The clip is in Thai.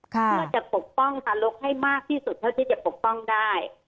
เพื่อจะปกป้องทารกให้มากที่สุดเท่าที่จะปกป้องได้